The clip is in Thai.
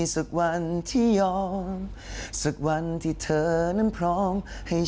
สบายดีหรือเปล่าต้องขอบคุณด้วยนะคะ